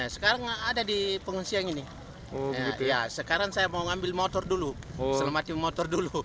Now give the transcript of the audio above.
sekarang ada di pengungsi yang ini sekarang saya mau ngambil motor dulu selamatin motor dulu